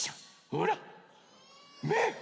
ほらめん。